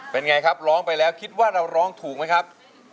เป็นอย่างไรครับร้องไปแล้วคริจว่าร้องถูกไหมครับ